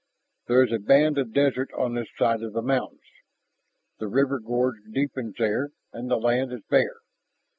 There is a band of desert on this side of the mountains. The river gorge deepens there and the land is bare.